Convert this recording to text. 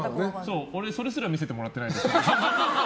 俺、それすら見せてもらってないから。